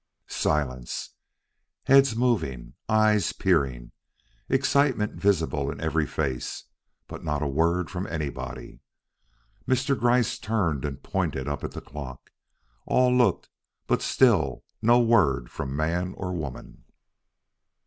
Silence. Heads moving, eyes peering, excitement visible in every face, but not a word from anybody. Mr. Gryce turned and pointed up at the clock. All looked but still no word from man or woman.